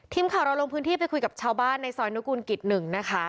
ทีมข่าวเราลงพื้นที่ไปคุยกับชาวบ้านในซอยนุกูลกิจ๑นะคะ